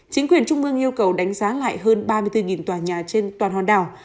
chính quyền trung ương yêu cầu đánh giá lại hơn ba mươi bốn tòa nhà trên toàn hòn đảo